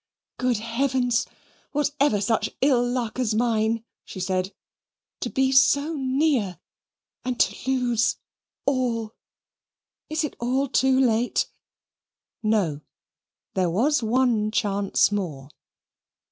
"Good Heavens! was ever such ill luck as mine?" she said; "to be so near, and to lose all. Is it all too late?" No; there was one chance more.